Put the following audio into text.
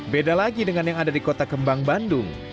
beda lagi dengan yang ada di kota kembang bandung